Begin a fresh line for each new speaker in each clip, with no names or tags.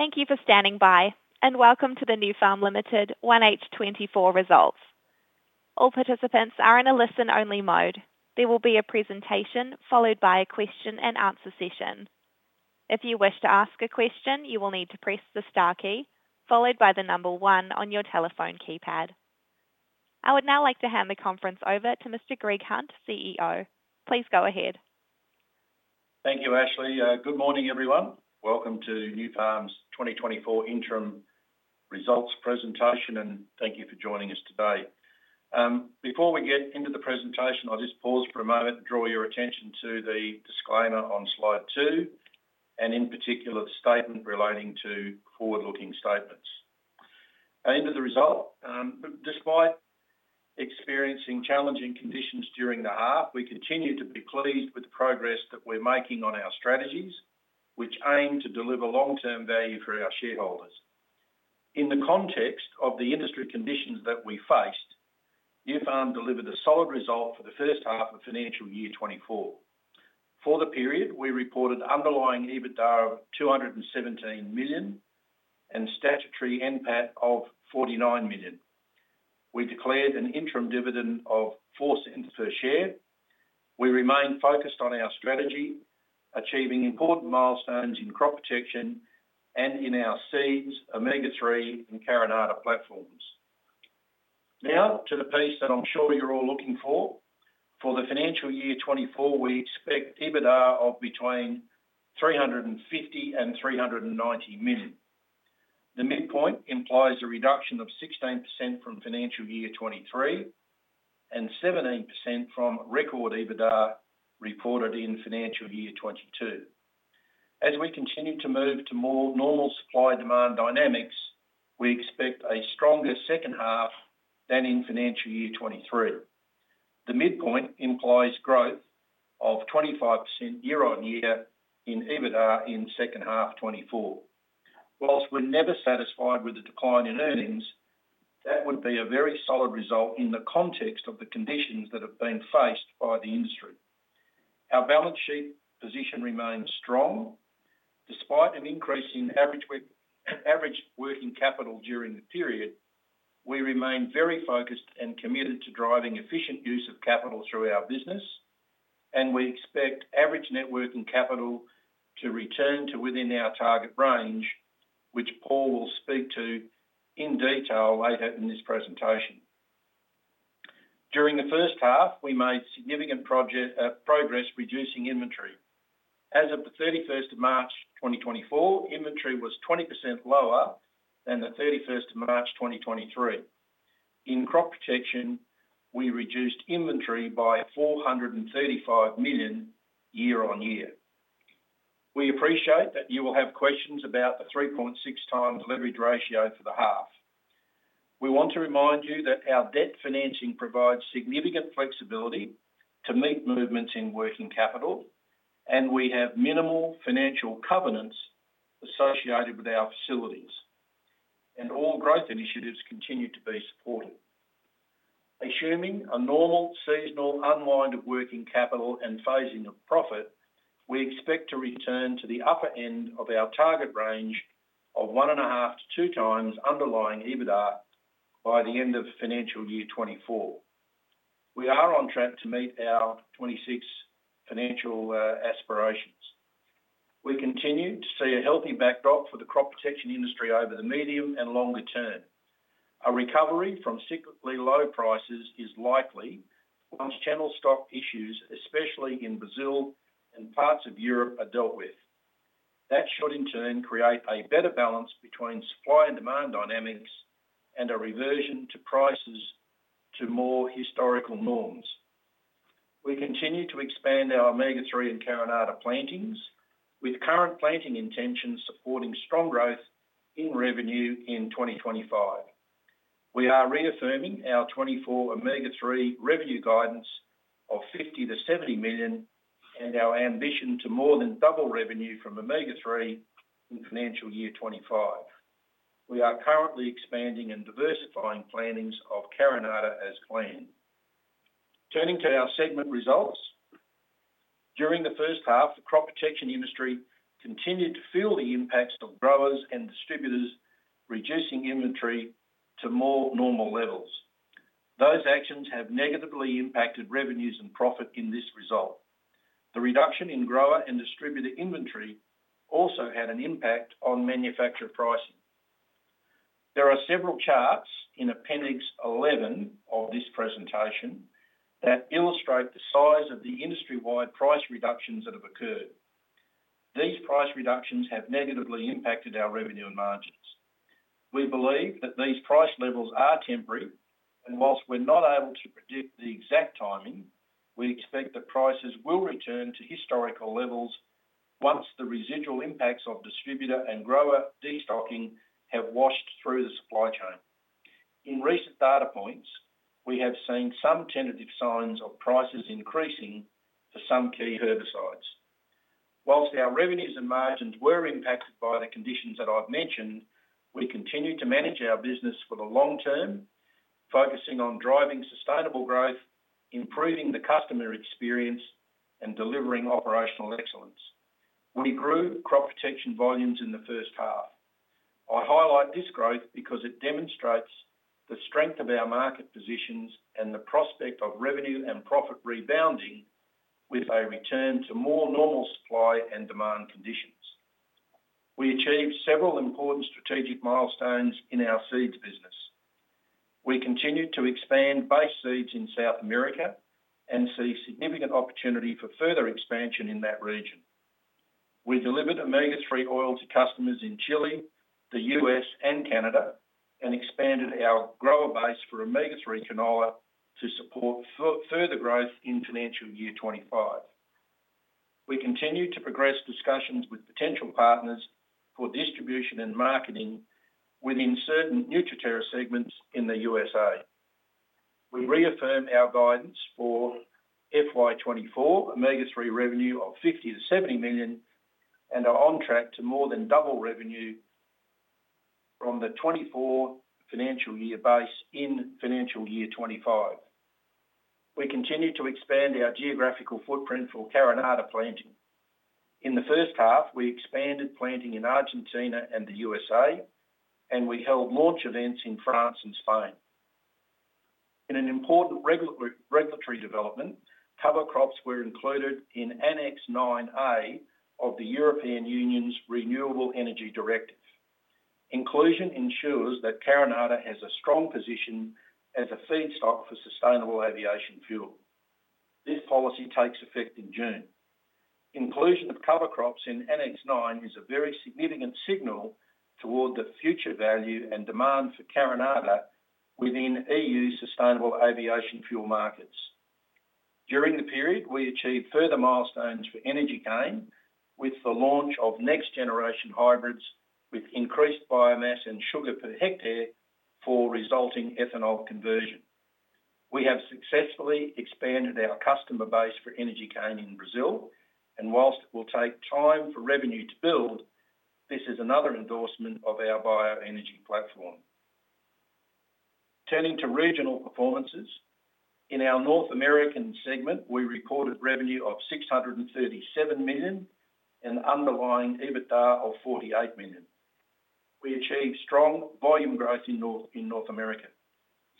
Thank you for standing by, and welcome to the Nufarm Limited 1H 2024 results. All participants are in a listen-only mode. There will be a presentation, followed by a question and answer session. If you wish to ask a question, you will need to press the star key, followed by the number one on your telephone keypad. I would now like to hand the conference over to Mr. Greg Hunt, CEO. Please go ahead.
Thank you, Ashley. Good morning, everyone. Welcome to Nufarm's 2024 interim results presentation, and thank you for joining us today. Before we get into the presentation, I'll just pause for a moment and draw your attention to the disclaimer on slide 2, and in particular, the statement relating to forward-looking statements. To the result, despite experiencing challenging conditions during the half, we continue to be pleased with the progress that we're making on our strategies, which aim to deliver long-term value for our shareholders. In the context of the industry conditions that we faced, Nufarm delivered a solid result for the first half of financial year 2024. For the period, we reported underlying EBITDA of 217 million and statutory NPAT of 49 million. We declared an interim dividend of 0.04 per share. We remain focused on our strategy, achieving important milestones in Crop Protection and in our seeds, Omega-3, and Carinata platforms. Now, to the piece that I'm sure you're all looking for. For the financial year 2024, we expect EBITDA of between 350 million and 390 million. The midpoint implies a reduction of 16% from financial year 2023, and 17% from record EBITDA reported in financial year 2022. As we continue to move to more normal supply-demand dynamics, we expect a stronger second half than in financial year 2023. The midpoint implies growth of 25% year-on-year in EBITDA in second half 2024. While we're never satisfied with the decline in earnings, that would be a very solid result in the context of the conditions that have been faced by the industry. Our balance sheet position remains strong, despite an increase in average work, average working capital during the period. We remain very focused and committed to driving efficient use of capital through our business, and we expect average net working capital to return to within our target range, which Paul will speak to in detail later in this presentation. During the first half, we made significant project, progress reducing inventory. As of the thirty-first of March 2024, inventory was 20% lower than the thirty-first of March 2023. In Crop Protection, we reduced inventory by 435 million year-on-year. We appreciate that you will have questions about the 3.6x leverage ratio for the half. We want to remind you that our debt financing provides significant flexibility to meet movements in working capital, and we have minimal financial covenants associated with our facilities, and all growth initiatives continue to be supported. Assuming a normal seasonal unwind of working capital and phasing of profit, we expect to return to the upper end of our target range of 1.5-2 times underlying EBITDA by the end of financial year 2024. We are on track to meet our 2026 financial aspirations. We continue to see a healthy backdrop for the Crop Protection industry over the medium and longer term. A recovery from cyclically low prices is likely, once channel stock issues, especially in Brazil and parts of Europe, are dealt with. That should in turn create a better balance between supply and demand dynamics, and a reversion to prices to more historical norms. We continue to expand our Omega-3 and Carinata plantings, with current planting intentions supporting strong growth in revenue in 2025. We are reaffirming our 2024 Omega-3 revenue guidance of 50 million-70 million, and our ambition to more than double revenue from Omega-3 in financial year 2025. We are currently expanding and diversifying plantings of Carinata as planned. Turning to our segment results, during the first half, the Crop Protection industry continued to feel the impacts of growers and distributors, reducing inventory to more normal levels. Those actions have negatively impacted revenues and profit in this result. The reduction in grower and distributor inventory also had an impact on manufacturer pricing. There are several charts in Appendix 11 of this presentation, that illustrate the size of the industry-wide price reductions that have occurred. These price reductions have negatively impacted our revenue and margins. We believe that these price levels are temporary, and while we're not able to predict the exact timing, we expect that prices will return to historical levels once the residual impacts of distributor and grower destocking have washed through the supply chain. In recent data points, we have seen some tentative signs of prices increasing for some key herbicides. While our revenues and margins were impacted by the conditions that I've mentioned, we continue to manage our business for the long term, focusing on driving sustainable growth, improving the customer experience, and delivering operational excellence. We grew Crop Protection volumes in the first half. I highlight this growth because it demonstrates the strength of our market positions and the prospect of revenue and profit rebounding, with a return to more normal supply and demand conditions. We achieved several important strategic milestones in our seeds business. We continued to expand Base Seeds in South America, and see significant opportunity for further expansion in that region. We delivered omega-3 oil to customers in Chile, the US, and Canada, and expanded our grower base for omega-3 canola to support further growth in financial year 2025. We continue to progress discussions with potential partners for distribution and marketing within certain Nutriterra segments in the USA. We reaffirm our guidance for FY 2024, omega-3 revenue of 50 million-70 million, and are on track to more than double revenue from the 2024 financial year base in financial year 2025. We continue to expand our geographical footprint for Carinata planting. In the first half, we expanded planting in Argentina and the USA, and we held launch events in France and Spain. In an important regulatory development, cover crops were included in Annex IX A of the European Union's Renewable Energy Directive. Inclusion ensures that Carinata has a strong position as a feedstock for sustainable aviation fuel. This policy takes effect in June. Inclusion of cover crops in Annex IX is a very significant signal toward the future value and demand for Carinata within EU sustainable aviation fuel markets. During the period, we achieved further milestones for Energy Cane, with the launch of next generation hybrids, with increased biomass and sugar per hectare for resulting ethanol conversion. We have successfully expanded our customer base for Energy Cane in Brazil, and while it will take time for revenue to build, this is another endorsement of our bioenergy platform. Turning to regional performances. In our North American segment, we recorded revenue of 637 million, and underlying EBITDA of 48 million. We achieved strong volume growth in North, in North America.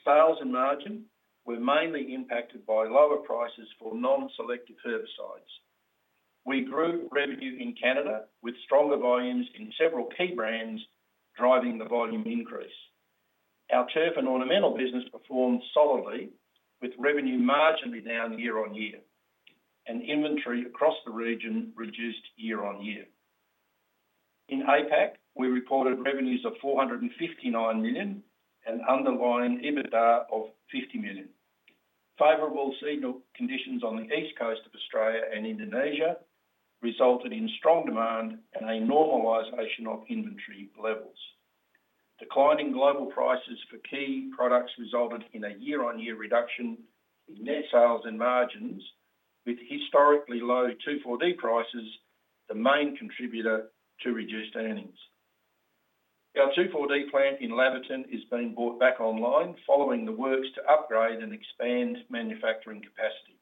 Sales and margin were mainly impacted by lower prices for non-selective herbicides. We grew revenue in Canada, with stronger volumes in several key brands, driving the volume increase. Our turf and ornamental business performed solidly, with revenue marginally down year-on-year, and inventory across the region reduced year-on-year. In APAC, we reported revenues of 459 million, and underlying EBITDA of 50 million. Favorable seasonal conditions on the East Coast of Australia and Indonesia resulted in strong demand and a normalization of inventory levels. Declining global prices for key products resulted in a year-on-year reduction in net sales and margins, with historically low 2,4-D prices, the main contributor to reduced earnings. Our 2,4-D plant in Laverton is being brought back online, following the works to upgrade and expand manufacturing capacity.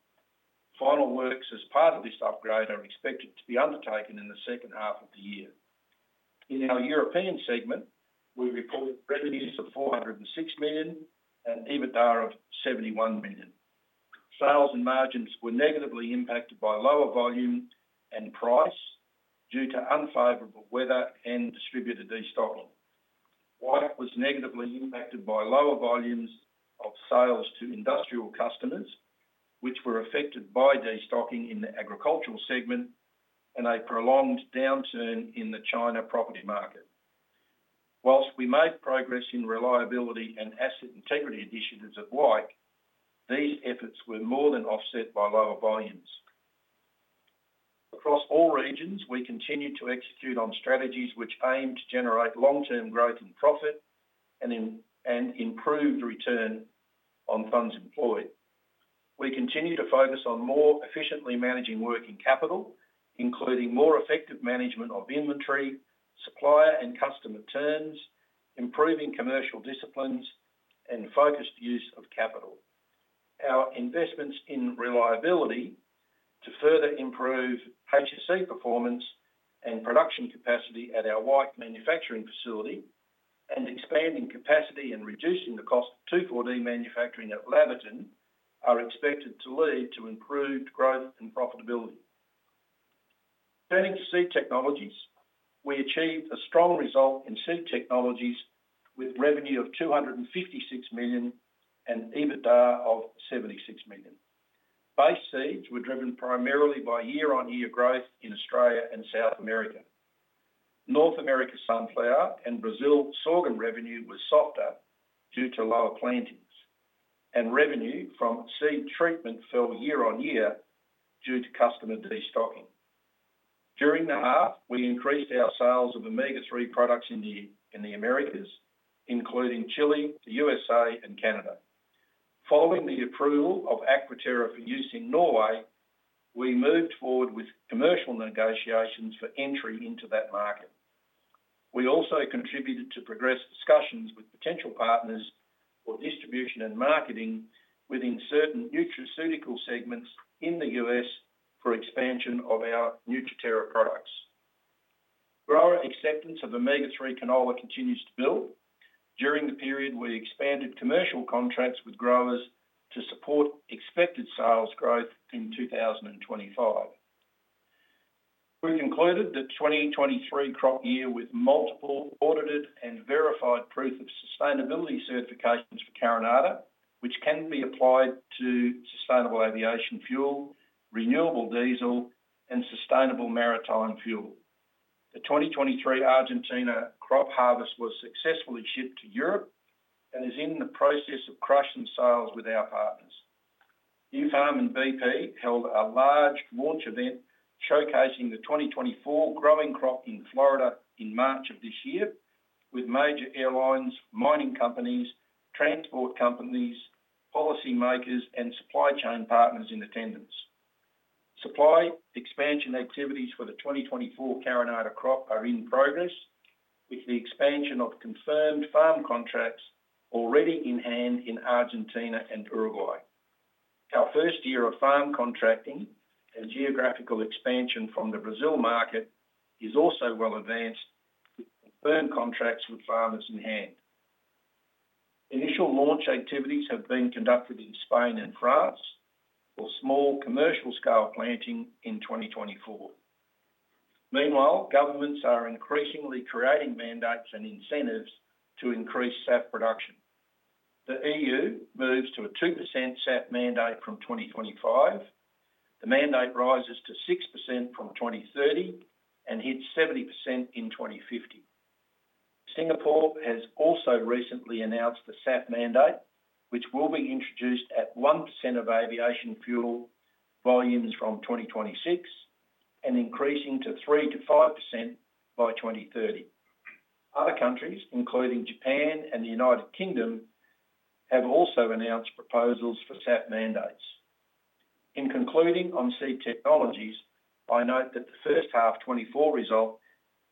Final works as part of this upgrade are expected to be undertaken in the second half of the year. In our European segment, we reported revenues of 406 million and EBITDA of 71 million. Sales and margins were negatively impacted by lower volume and price, due to unfavorable weather and distributor destocking. Wyke was negatively impacted by lower volumes of sales to industrial customers, which were affected by destocking in the agricultural segment and a prolonged downturn in the China property market. While we made progress in reliability and asset integrity initiatives at Wyke, these efforts were more than offset by lower volumes. Across all regions, we continued to execute on strategies which aim to generate long-term growth and profit, and improved return on funds employed. We continue to focus on more efficiently managing working capital, including more effective management of inventory, supplier and customer terms, improving commercial disciplines, and focused use of capital. Our investments in reliability to further improve HSE performance and production capacity at our Wyke manufacturing facility, and expanding capacity and reducing the cost of 2,4-D manufacturing at Laverton, are expected to lead to improved growth and profitability. Turning to Seed Technologies. We achieved a strong result in Seed Technologies, with revenue of 256 million, and EBITDA of 76 million. Base Seeds were driven primarily by year-on-year growth in Australia and South America. North America sunflower and Brazil sorghum revenue was softer due to lower plantings, and revenue from seed treatment fell year-on-year due to customer destocking. During the half, we increased our sales of omega-3 products in the Americas, including Chile, the USA, and Canada. Following the approval of Aquaterra for use in Norway, we moved forward with commercial negotiations for entry into that market. We also contributed to progress discussions with potential partners for distribution and marketing within certain nutraceutical segments in the US for expansion of our Nutriterra products. Grower acceptance of omega-3 canola continues to build. During the period, we expanded commercial contracts with growers to support expected sales growth in 2025. We concluded the 2023 crop year with multiple audited and verified proof of sustainability certifications for Carinata, which can be applied to sustainable aviation fuel, renewable diesel, and sustainable maritime fuel. The 2023 Argentina crop harvest was successfully shipped to Europe and is in the process of crushing sales with our partners. Nufarm and BP held a large launch event showcasing the 2024 growing crop in Florida in March of this year, with major airlines, mining companies, transport companies, policymakers, and supply chain partners in attendance. Supply expansion activities for the 2024 Carinata crop are in progress, with the expansion of confirmed farm contracts already in hand in Argentina and Uruguay. Our first year of farm contracting and geographical expansion from the Brazil market is also well-advanced, with confirmed contracts with farmers in hand. Initial launch activities have been conducted in Spain and France for small commercial scale planting in 2024. Meanwhile, governments are increasingly creating mandates and incentives to increase SAF production. The EU moves to a 2% SAF mandate from 2025. The mandate rises to 6% from 2030 and hits 70% in 2050. Singapore has also recently announced the SAF mandate, which will be introduced at 1% of aviation fuel volumes from 2026 and increasing to 3%-5% by 2030. Other countries, including Japan and the United Kingdom, have also announced proposals for SAF mandates. In concluding on Seed Technologies, I note that the first half 2024 result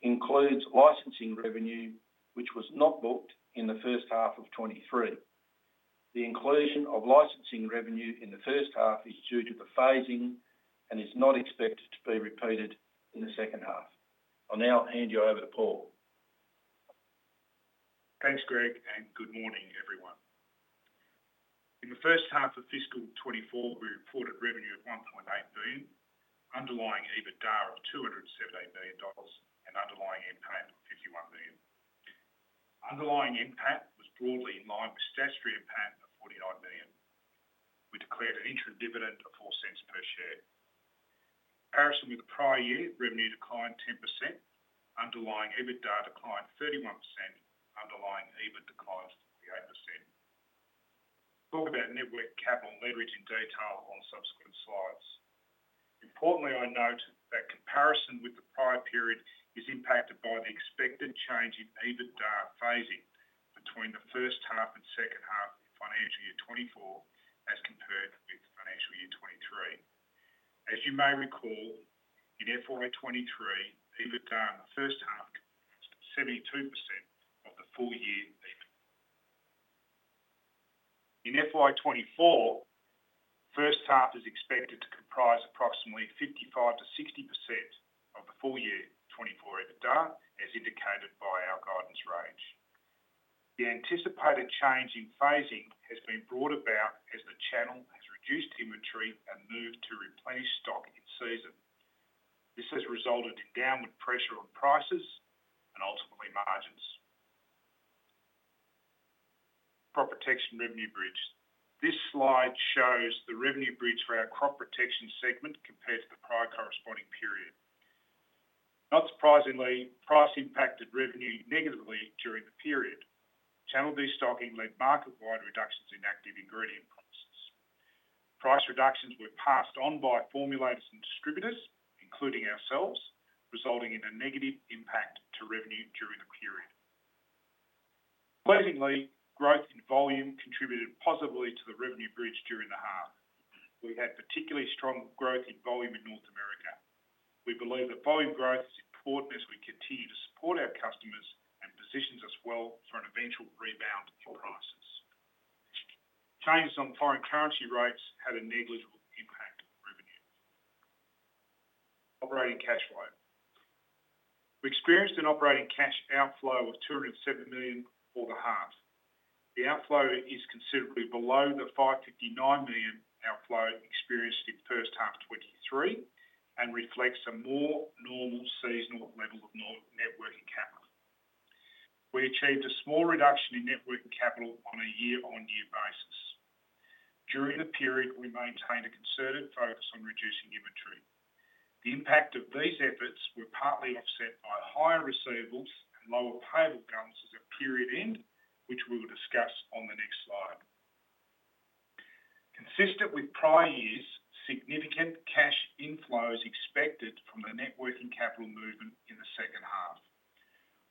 includes licensing revenue, which was not booked in the first half of 2023. The inclusion of licensing revenue in the first half is due to the phasing and is not expected to be repeated in the second half. I'll now hand you over to Paul.
Thanks, Greg, and good morning, everyone. In the first half of fiscal 2024, we reported revenue of 1.8 billion, underlying EBITDA of 278 million dollars, and underlying NPAT of 51 million. Underlying NPAT was broadly in line with statutory NPAT of 49 million. We declared an interim dividend of 0.04 per share. In comparison with the prior year, revenue declined 10%, underlying EBITDA declined 31%, underlying NPAT declined 38%. We'll talk about net working capital leverage in detail on subsequent slides. Importantly, I note that comparison with the prior period is impacted by the expected change in EBITDA phasing between the first half and second half of financial year 2024, as compared with financial year 2023. As you may recall, in FY 2023, EBITDA in the first half, 72% of the full year NPAT. In FY 2024, first half is expected to comprise approximately 55%-60% of the full year 2024 EBITDA, as indicated by our guidance range. The anticipated change in phasing has been brought about as the channel has reduced inventory and moved to replenish stock in season. This has resulted in downward pressure on prices and ultimately, margins. Crop Protection revenue bridge. This slide shows the revenue bridge for our Crop Protection segment compared to the prior corresponding period. Not surprisingly, price impacted revenue negatively during the period. Channel destocking led market-wide reductions in active ingredient prices. Price reductions were passed on by formulators and distributors, including ourselves, resulting in a negative impact to revenue during the period. Pleasingly, growth in volume contributed positively to the revenue bridge during the half. We had particularly strong growth in volume in North America. We believe that volume growth is important as we continue to support our customers and positions us well for an eventual rebound in prices. Changes on foreign currency rates had a negligible impact on revenue. Operating cash flow. We experienced an operating cash outflow of 207 million for the half. The outflow is considerably below the 5.5 million outflow experienced in first half 2023, and reflects a more normal seasonal level of net working capital. We achieved a small reduction in net working capital on a year-on-year basis. During the period, we maintained a concerted focus on reducing inventory. The impact of these efforts were partly offset by higher receivables and lower payable balances at period end, which we will discuss on the next slide. Consistent with prior years, significant cash inflow is expected from the net working capital movement in the second half.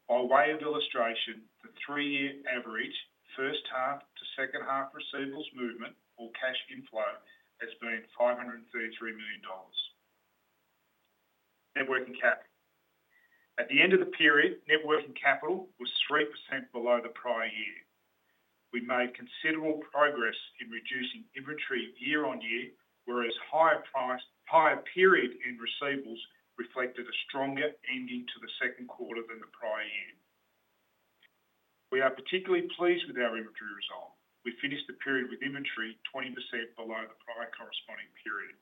While one-... Illustration, the three-year average, first half to second half receivables movement or cash inflow has been 533 million dollars. Net working capital. At the end of the period, net working capital was 3% below the prior year. We made considerable progress in reducing inventory year-on-year, whereas higher price, higher period in receivables reflected a stronger ending to the second quarter than the prior year. We are particularly pleased with our inventory result. We finished the period with inventory 20% below the prior corresponding period.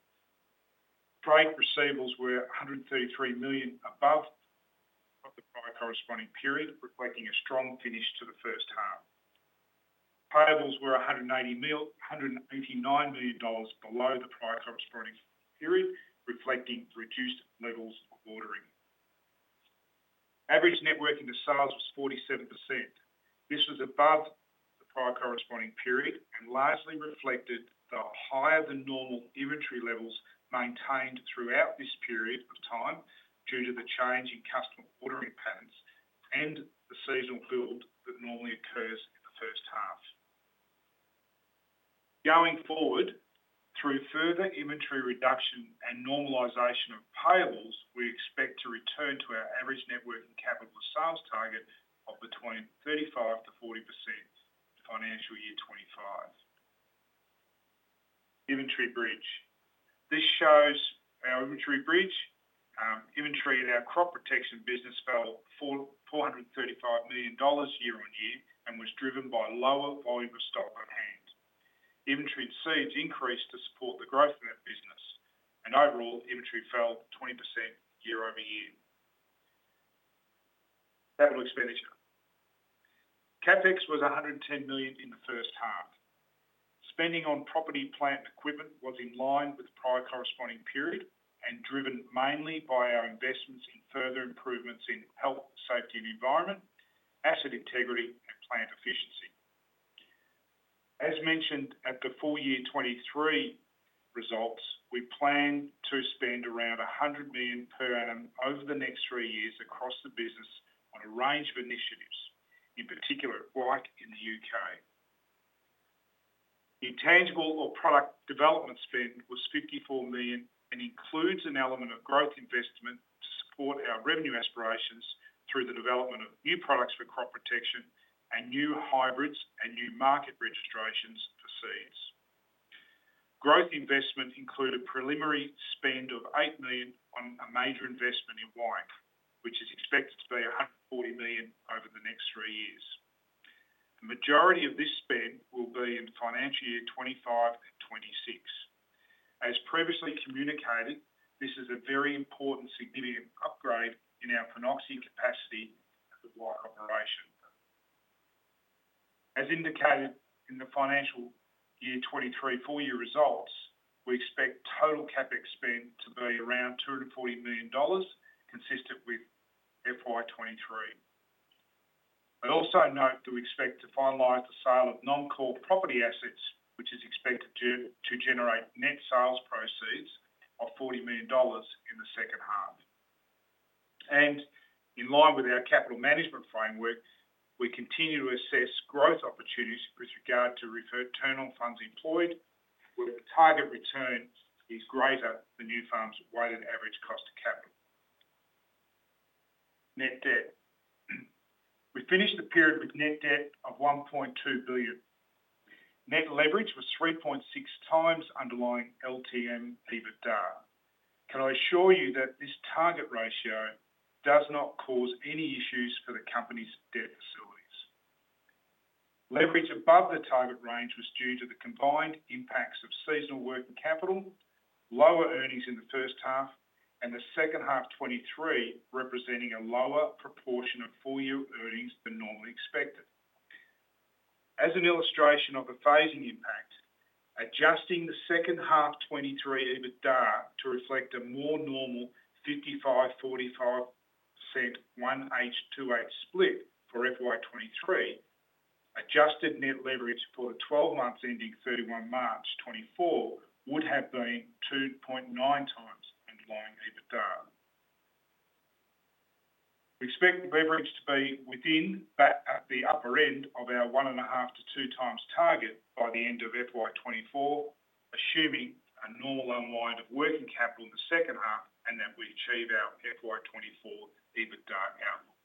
Trade receivables were 133 million above of the prior corresponding period, reflecting a strong finish to the first half. Payables were a hundred and eighty-nine million dollars below the prior corresponding period, reflecting reduced levels of ordering. Average net working to sales was 47%. This was above the prior corresponding period, and largely reflected the higher than normal inventory levels maintained throughout this period of time due to the change in customer ordering patterns and the seasonal build that normally occurs in the first half. Going forward, through further inventory reduction and normalization of payables, we expect to return to our average net working capital to sales target of between 35%-40%, financial year 2025. Inventory bridge. This shows our inventory bridge. Inventory in our Crop Protection business fell 435 million dollars year-on-year, and was driven by lower volume of stock on hand. Inventory in seeds increased to support the growth in that business, and overall, inventory fell 20% year-over-year. Capital expenditure. CapEx was 110 million in the first half. Spending on property, plant equipment was in line with the prior corresponding period, and driven mainly by our investments in further improvements in health, safety and environment, asset integrity and plant efficiency. As mentioned at the full year 2023 results, we plan to spend around 100 million per annum over the next three years across the business on a range of initiatives, in particular, Wyke in the U.K. Intangible or product development spend was 54 million and includes an element of growth investment to support our revenue aspirations through the development of new products for Crop Protection and new hybrids and new market registrations for seeds. Growth investment include a preliminary spend of 8 million on a major investment in Wyke, which is expected to be 140 million over the next three years. The majority of this spend will be in financial year 2025 and 2026. As previously communicated, this is a very important, significant upgrade in our phenoxy capacity at the Wyke operation. As indicated in the financial year 2023 full year results, we expect total CapEx spend to be around 280 million dollars, consistent with FY 2023. I'd also note that we expect to finalize the sale of non-core property assets, which is expected to generate net sales proceeds of 40 million dollars in the second half. In line with our capital management framework, we continue to assess growth opportunities with regard to return on funds employed, where the target return is greater than Nufarm's weighted average cost of capital. Net debt. We finished the period with net debt of 1.2 billion. Net leverage was 3.6 times underlying LTM EBITDA. Can I assure you that this target ratio does not cause any issues for the company's debt facilities? Leverage above the target range was due to the combined impacts of seasonal working capital, lower earnings in the first half, and the second half 2023, representing a lower proportion of full year earnings than normally expected. As an illustration of the phasing impact, adjusting the second half 2023 EBITDA to reflect a more normal 55%-45% 1H-2H split for FY 2023, adjusted net leverage for the twelve months ending 31 March 2024, would have been 2.9x underlying EBITDA. We expect the leverage to be within that at the upper end of our 1.5-2 times target by the end of FY 2024, assuming a normal unwind of working capital in the second half and that we achieve our FY 2024 EBITDA outlook.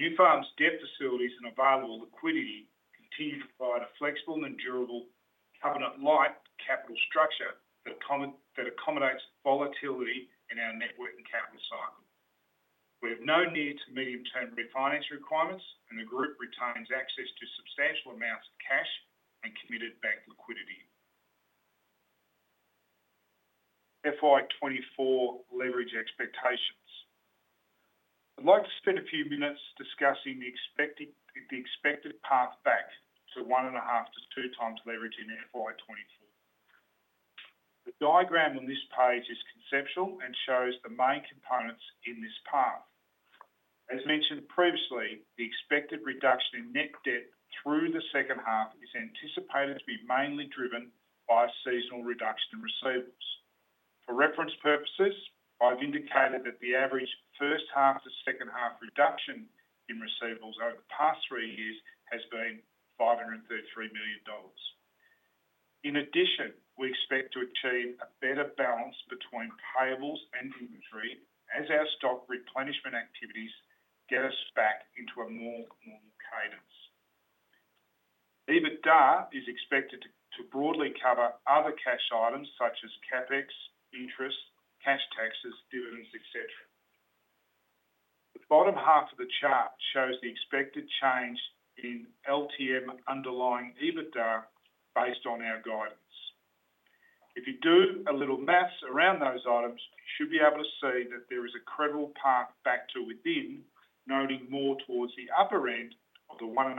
Nufarm's debt facilities and available liquidity continue to provide a flexible and durable covenant-lite capital structure that accommodates volatility in our net working capital cycle. We have no near- to medium-term refinance requirements, and the group retains access to substantial amounts of cash and committed bank liquidity. FY 2024 leverage expectations. I'd like to spend a few minutes discussing the expected path back to 1.5-2 times leverage in FY 2024. The diagram on this page is conceptual and shows the main components in this path. As mentioned previously, the expected reduction in net debt through the second half is anticipated to be mainly driven by a seasonal reduction in receivables. For reference purposes, I've indicated that the average first half to second half reduction in receivables over the past three years has been 533 million dollars. In addition, we expect to achieve a better balance between payables and inventory as our stock replenishment activities get us back into a more normal cadence. EBITDA is expected to broadly cover other cash items such as CapEx, interest, cash taxes, dividends, et cetera. The bottom half of the chart shows the expected change in LTM underlying EBITDA based on our guidance. If you do a little math around those items, you should be able to see that there is a credible path back to within, noting more towards the upper end of the 1.5-2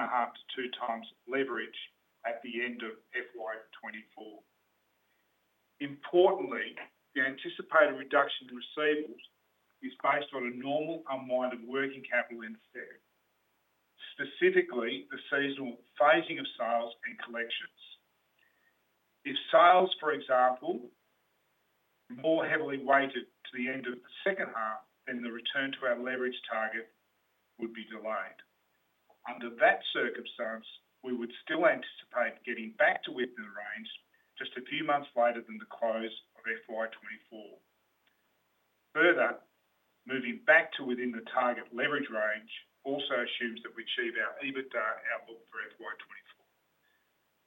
times leverage at the end of FY 2024. Importantly, the anticipated reduction in receivables is based on a normal unwinding working capital instead. Specifically, the seasonal phasing of sales and collections. If sales, for example, more heavily weighted to the end of the second half, then the return to our leverage target would be delayed. Under that circumstance, we would still anticipate getting back to within the range just a few months later than the close of FY 2024. Further, moving back to within the target leverage range also assumes that we achieve our EBITDA outlook for FY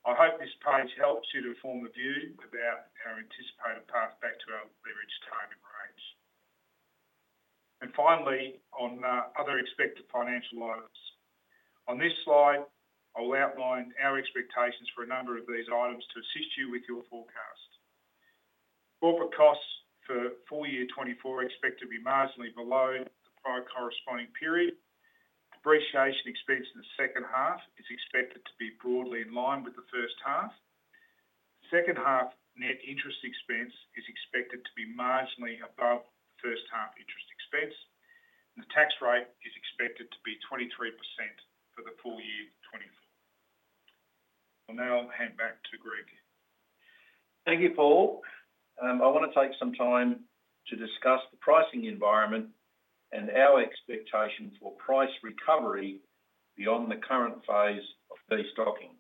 2024. I hope this page helps you to form a view about our anticipated path back to our leverage target range. And finally, on other expected financial items. On this slide, I'll outline our expectations for a number of these items to assist you with your forecast. Corporate costs for full year 2024 are expected to be marginally below the prior corresponding period. Depreciation expense in the second half is expected to be broadly in line with the first half. Second half net interest expense is expected to be marginally above first half interest expense, and the tax rate is expected to be 23% for the full year 2024. I'll now hand back to Greg.
Thank you, Paul. I want to take some time to discuss the pricing environment and our expectations for price recovery beyond the current phase of destocking.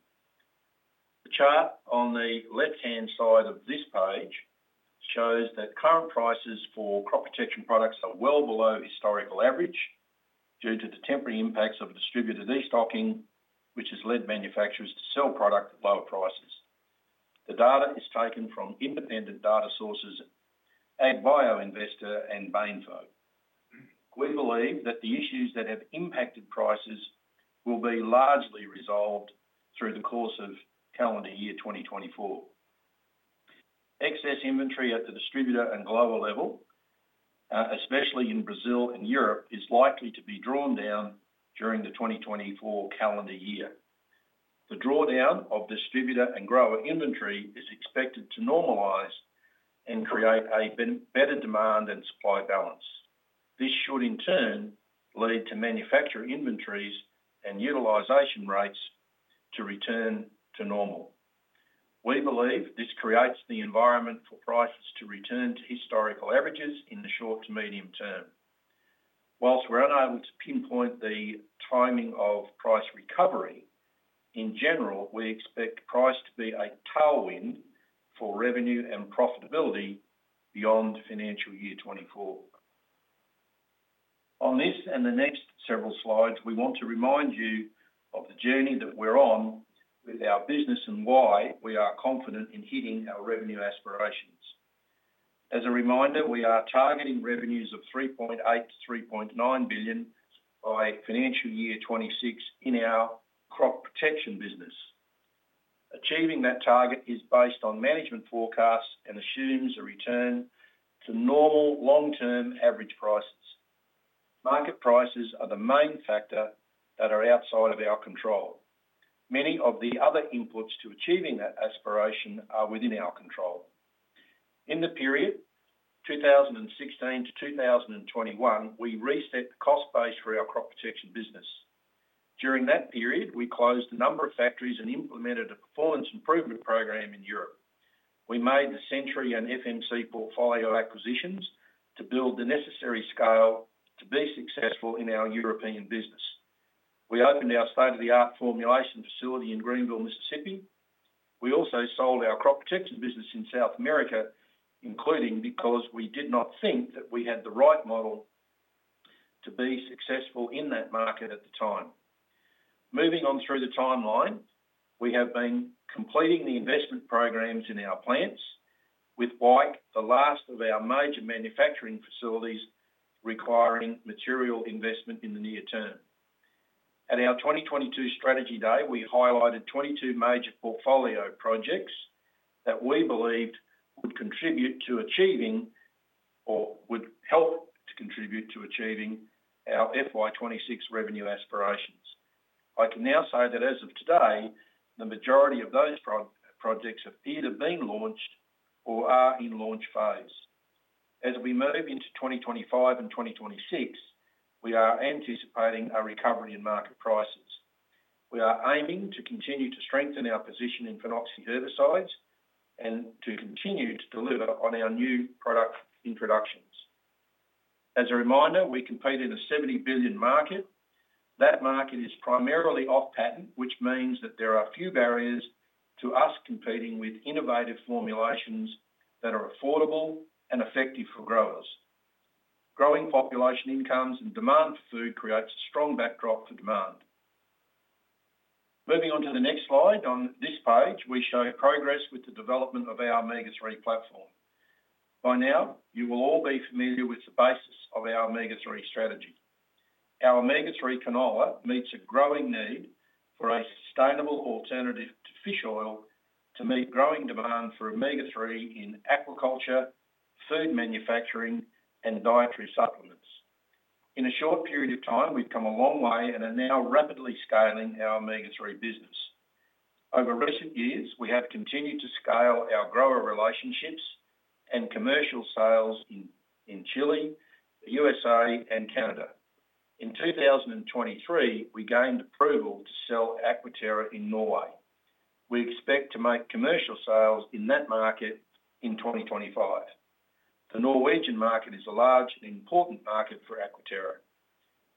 The chart on the left-hand side of this page shows that current prices for Crop Protection products are well below historical average, due to the temporary impacts of distributor destocking, which has led manufacturers to sell product at lower prices. The data is taken from independent data sources, AgBioInvestor and Baiinfo. We believe that the issues that have impacted prices will be largely resolved through the course of calendar year 2024. Excess inventory at the distributor and grower level, especially in Brazil and Europe, is likely to be drawn down during the 2024 calendar year. The drawdown of distributor and grower inventory is expected to normalize and create a better demand and supply balance. This should, in turn, lead to manufacturer inventories and utilization rates to return to normal. We believe this creates the environment for prices to return to historical averages in the short to medium term. While we're unable to pinpoint the timing of price recovery, in general, we expect price to be a tailwind for revenue and profitability beyond financial year 2024. On this and the next several slides, we want to remind you of the journey that we're on with our business and why we are confident in hitting our revenue aspirations. As a reminder, we are targeting revenues of 3.8 billion-3.9 billion by financial year 2026 in our Crop Protection business. Achieving that target is based on management forecasts and assumes a return to normal long-term average prices. Market prices are the main factor that are outside of our control. Many of the other inputs to achieving that aspiration are within our control. In the period 2016 to 2021, we reset the cost base for our Crop Protection business. During that period, we closed a number of factories and implemented a performance improvement program in Europe. We made the Century and FMC portfolio acquisitions to build the necessary scale to be successful in our European business. We opened our state-of-the-art formulation facility in Greenville, Mississippi. We also sold our Crop Protection business in South America, including because we did not think that we had the right model to be successful in that market at the time. Moving on through the timeline, we have been completing the investment programs in our plants, with Wyke, the last of our major manufacturing facilities requiring material investment in the near term. At our 2022 strategy day, we highlighted 22 major portfolio projects that we believed would contribute to achieving or would help to contribute to achieving our FY26 revenue aspirations. I can now say that as of today, the majority of those projects have either been launched or are in launch phase. As we move into 2025 and 2026, we are anticipating a recovery in market prices. We are aiming to continue to strengthen our position in phenoxy herbicides and to continue to deliver on our new product introductions. As a reminder, we compete in a $70 billion market. That market is primarily off patent, which means that there are few barriers to us competing with innovative formulations that are affordable and effective for growers. Growing population incomes and demand for food creates a strong backdrop to demand. Moving on to the next slide, on this page, we show progress with the development of our Omega-3 platform. By now, you will all be familiar with the basis of our Omega-3 strategy. Our Omega-3 canola meets a growing need for a sustainable alternative to fish oil, to meet growing demand for Omega-3 in aquaculture, food manufacturing, and dietary supplements. In a short period of time, we've come a long way and are now rapidly scaling our Omega-3 business. Over recent years, we have continued to scale our grower relationships and commercial sales in Chile, the USA and Canada. In 2023, we gained approval to sell Aquaterra in Norway. We expect to make commercial sales in that market in 2025. The Norwegian market is a large and important market for Aquaterra.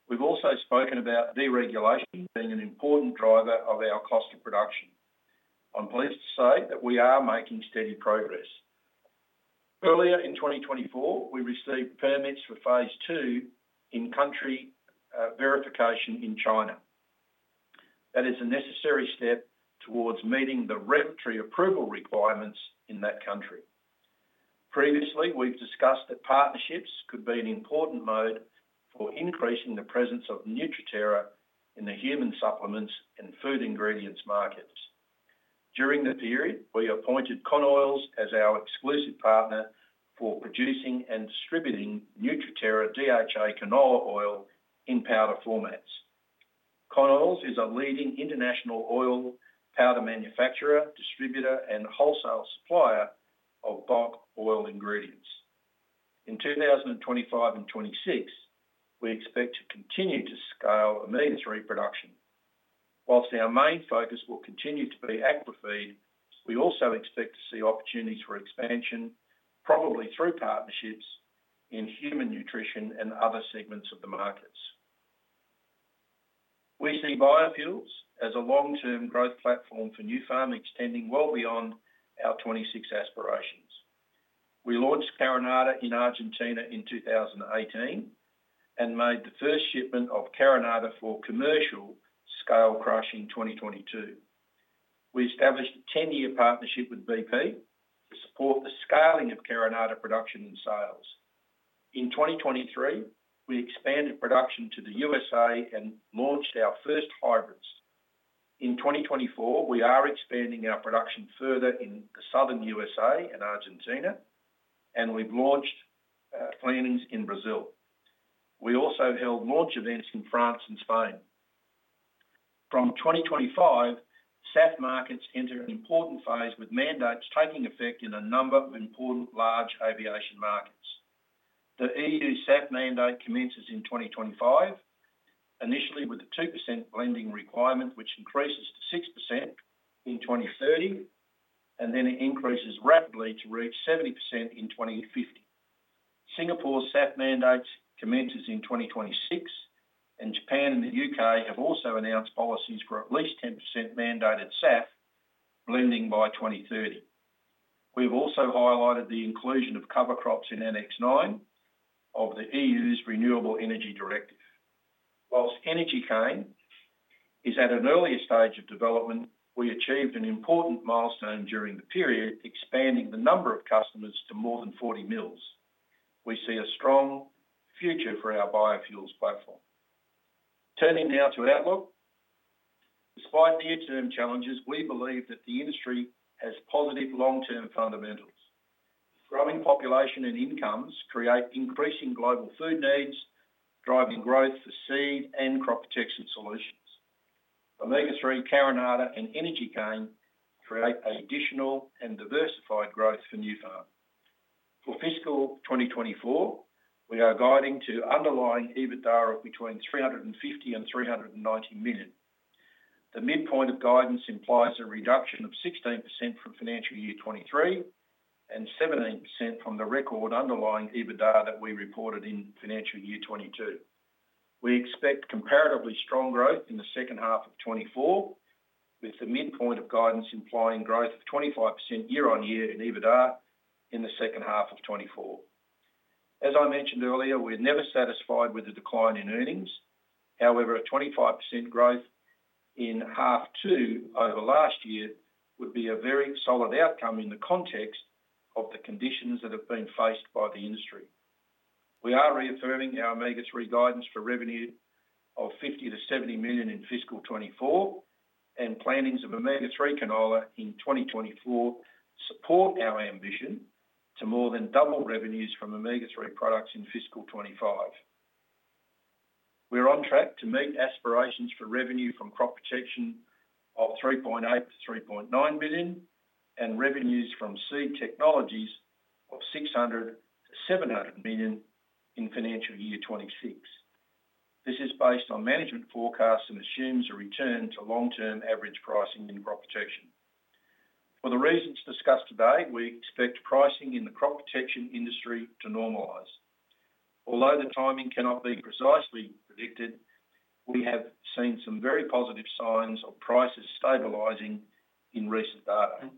We've also spoken about deregulation being an important driver of our cost of production. I'm pleased to say that we are making steady progress. Earlier in 2024, we received permits for phase two in-country verification in China. That is a necessary step towards meeting the regulatory approval requirements in that country. Previously, we've discussed that partnerships could be an important mode for increasing the presence of Nutriterra in the human supplements and food ingredients markets. During the period, we appointed Connoils as our exclusive partner for producing and distributing Nutriterra DHA canola oil in powder formats. Connoils is a leading international oil powder manufacturer, distributor, and wholesale supplier of bulk oil ingredients. In 2025 and 2026, we expect to continue to scale Omega-3 production. Whilst our main focus will continue to be aquafeed, we also expect to see opportunities for expansion, probably through partnerships in human nutrition and other segments of the markets. We see biofuels as a long-term growth platform for Nufarm, extending well beyond our 26 aspirations. We launched Carinata in Argentina in 2018, and made the first shipment of Carinata for commercial scale crush in 2022. We established a 10-year partnership with BP to support the scaling of Carinata production and sales. In 2023, we expanded production to the USA and launched our first hybrids. In 2024, we are expanding our production further in the Southern USA and Argentina, and we've launched plantings in Brazil. We also held launch events in France and Spain. From 2025, SAF markets enter an important phase, with mandates taking effect in a number of important large aviation markets. The EU SAF mandate commences in 2025, initially with a 2% blending requirement, which increases to 6% in 2030, and then it increases rapidly to reach 70% in 2050. Singapore's SAF mandates commences in 2026, and Japan and the UK have also announced policies for at least 10% mandated SAF blending by 2030. We've also highlighted the inclusion of cover crops in Annex IX of the EU's Renewable Energy Directive. While Energy Cane is at an earlier stage of development, we achieved an important milestone during the period, expanding the number of customers to more than 40 mills. We see a strong future for our biofuels platform. Turning now to outlook. Despite near-term challenges, we believe that the industry has positive long-term fundamentals. Growing population and incomes create increasing global food needs, driving growth for seed and Crop Protection solutions. Omega-3, Carinata, and energy cane create additional and diversified growth for Nufarm. For fiscal 2024, we are guiding to underlying EBITDA of between 350 million and 390 million. The midpoint of guidance implies a reduction of 16% from financial year 2023, and 17% from the record underlying EBITDA that we reported in financial year 2022. We expect comparatively strong growth in the second half of 2024, with the midpoint of guidance implying growth of 25% year-on-year in EBITDA in the second half of 2024. As I mentioned earlier, we're never satisfied with the decline in earnings. However, a 25% growth in half two over last year, would be a very solid outcome in the context of the conditions that have been faced by the industry. We are reaffirming our Omega-3 guidance for revenue of 50 million-70 million in fiscal 2024, and plantings of Omega-3 canola in 2024 support our ambition to more than double revenues from Omega-3 products in fiscal 2025. We're on track to meet aspirations for revenue from Crop Protection of 3.8 billion-3.9 billion, and revenues from Seed Technologies of 600 million-700 million in financial year 2026. This is based on management forecasts and assumes a return to long-term average pricing in Crop Protection. For the reasons discussed today, we expect pricing in the Crop Protection industry to normalize. Although the timing cannot be precisely predicted, we have seen some very positive signs of prices stabilizing in recent data.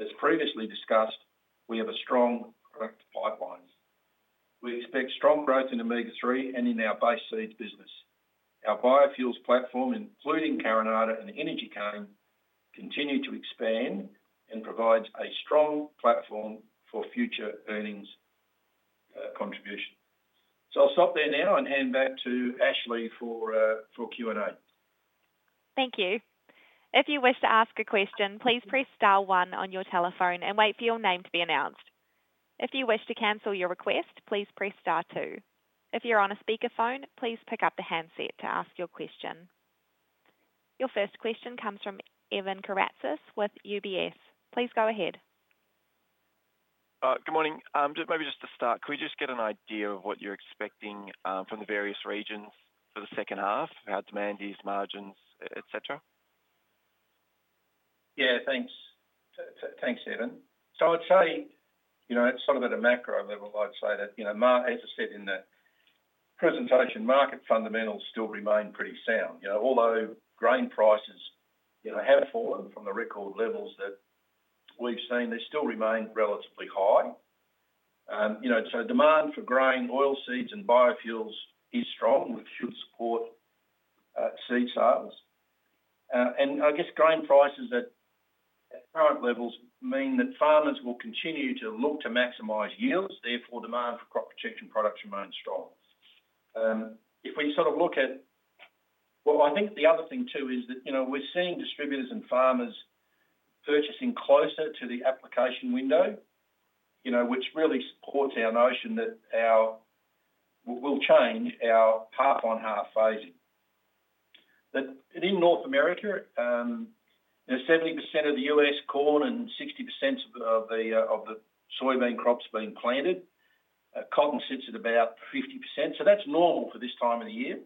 As previously discussed, we have a strong product pipeline. We expect strong growth in Omega-3 and in our Base Seeds business. Our biofuels platform, including Carinata and Energy Cane, continue to expand and provides a strong platform for future earnings, contribution. So I'll stop there now and hand back to Ashley for Q&A.
Thank you. If you wish to ask a question, please press star one on your telephone and wait for your name to be announced. If you wish to cancel your request, please press star two. If you're on a speakerphone, please pick up the handset to ask your question. Your first question comes from Evan Karatzas with UBS. Please go ahead.
Good morning. Just maybe just to start, could we just get an idea of what you're expecting, from the various regions for the second half, how demand is, margins, etc?
Yeah, thanks. Thanks, Evan. So I'd say, you know, sort of at a macro level, I'd say that, you know, as I said in the presentation, market fundamentals still remain pretty sound. You know, although grain prices, you know, have fallen from the record levels that we've seen, they still remain relatively high. You know, so demand for grain, oilseeds, and biofuels is strong, which should support seed sales. And I guess grain prices at current levels mean that farmers will continue to look to maximize yields, therefore, demand for Crop Protection products remains strong. If we sort of look at... Well, I think the other thing, too, is that, you know, we're seeing distributors and farmers purchasing closer to the application window, you know, which really supports our notion that our, we'll change our half-on-half phasing. That, and in North America, 70% of the US corn and 60% of the soybean crop's been planted. Cotton sits at about 50%, so that's normal for this time of the year.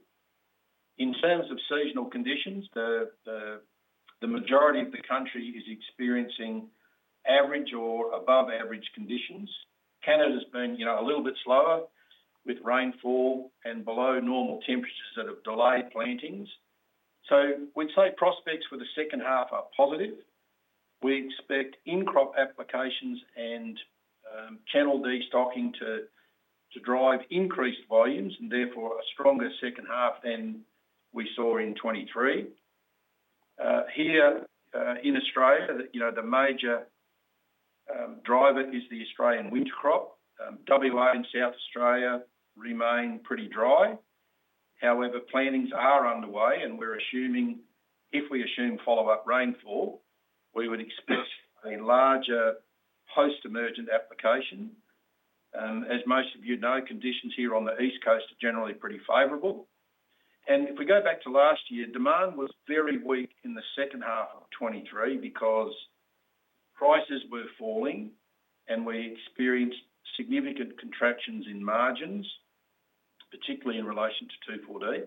In terms of seasonal conditions, the majority of the country is experiencing average or above average conditions. Canada's been, you know, a little bit slower with rainfall and below normal temperatures that have delayed plantings. So we'd say prospects for the second half are positive. We expect in-crop applications and channel destocking to drive increased volumes, and therefore a stronger second half than we saw in 2023. Here in Australia, you know, the major driver is the Australian winter crop. WA and South Australia remain pretty dry. However, plantings are underway, and we're assuming, if we assume follow-up rainfall, we would expect a larger post-emergent application. As most of you know, conditions here on the East Coast are generally pretty favorable. And if we go back to last year, demand was very weak in the second half of 2023 because prices were falling, and we experienced significant contractions in margins, particularly in relation to 2,4-D.